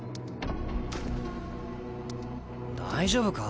大丈夫か？